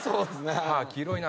歯黄色いな。